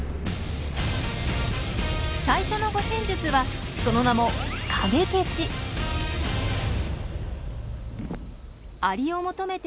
最初の護身術はその名もアリを求めて